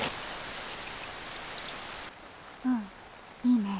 うんいいね。